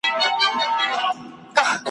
دا یوه خبره واورۍ مسافرو `